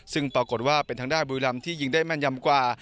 ซึ่งปรากฏว่าเป็นทางด้านบุรีรำที่ยิงได้แม่นยำกว่า